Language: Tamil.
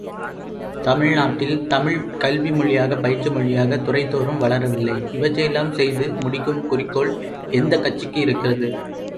தமிழ்நாட்டில் தமிழ், கல்வி மொழியாக, பயிற்றுமொழியாகத் துறைதோறும் வளரவில்லை, இவற்றையெல்லாம் செய்து முடிக்கும் குறிக்கோள் எந்தக் கட்சிக்கு இருக்கிறது?